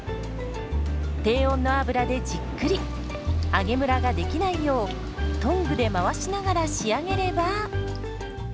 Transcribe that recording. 低温の油でじっくり揚げむらができないようトングで回しながら仕上げれば。